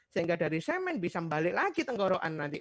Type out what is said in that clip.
sehingga dari semen bisa balik lagi tenggorokan nanti